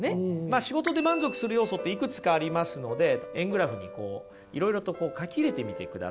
まあ仕事で満足する要素っていくつかありますので円グラフにいろいろと書き入れてみてください。